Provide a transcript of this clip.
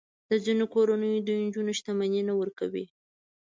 د ځینو کورنیو د نجونو شتمني نه ورکوي.